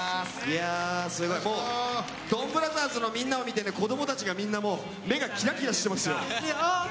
ドンブラザーズのみんなを見て子供たちがみんな目がキラキラしてますよ。